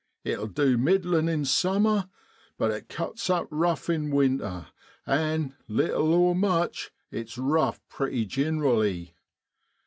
It'll du middlin' in summer, but it cuts up rough in winter; an', little or much, it's rough pretty gin'rally.